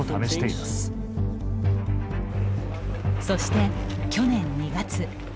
そして去年２月。